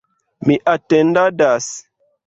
Mi atendadas.